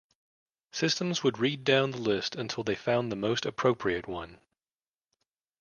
Systems would read down the list until they found the most appropriate one.